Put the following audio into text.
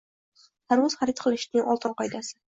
Tarvuz xarid qilishning oltin qoidasi